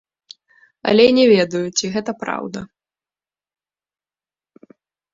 Але не ведаю, ці гэта праўда.